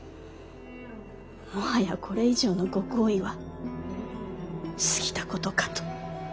もはやこれ以上のご厚意は過ぎたことかと。